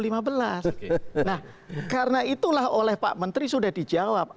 nah karena itulah oleh pak menteri sudah dijawab